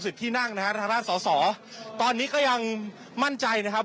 ที่นั่งนะฮะทางด้านสอสอตอนนี้ก็ยังมั่นใจนะครับ